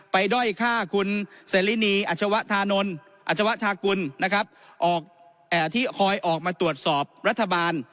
ไปด้อยฆ่าคุณเซรินีอัชวะธาคุณนะครับที่คอยออกมาตรวจสอบรัฐบาล